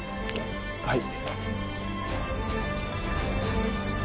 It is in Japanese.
はい。